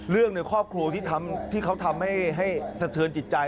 เรื่องในครอบครัวที่เขาทำให้สะเทินจิตใจ